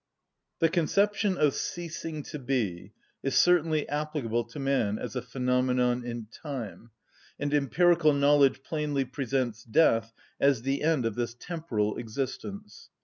The conception of ceasing to be is certainly applicable to man as a phenomenon in time, and empirical knowledge plainly presents death as the end of this temporal existence.